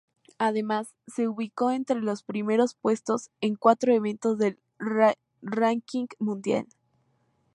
Además, se ubicó entre los primeros puestos en cuatro eventos del ranking mundial.